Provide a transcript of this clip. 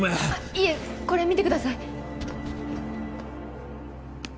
いえこれ見てください。